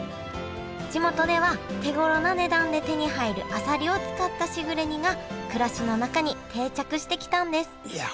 地元では手ごろな値段で手に入るあさりを使ったしぐれ煮が暮らしの中に定着してきたんですいや